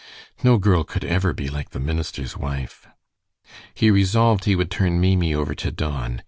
No girl could ever be like the minister's wife. He resolved he would turn Maimie over to Don.